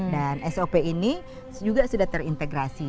dan sop ini juga sudah terintegrasi